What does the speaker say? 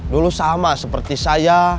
dulu sama seperti saya